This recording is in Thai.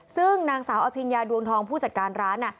ซึ่งนางสาวอภิญญาดวงทองผู้จัดการร้าน